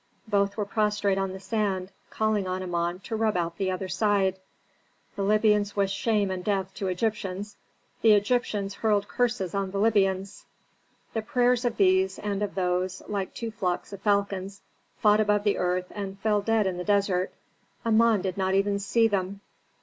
Both were prostrate on the sand, calling on Amon to rub out the other side. The Libyans wished shame and death to Egyptians; the Egyptians hurled curses on the Libyans. The prayers of these and of those, like two flocks of falcons, fought above the earth and fell dead in the desert. Amon did not even see them.